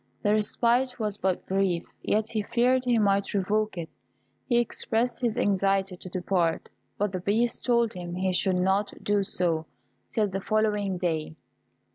The respite was but brief, yet he feared he might revoke it. He expressed his anxiety to depart; but the Beast told him he should not do so till the following day.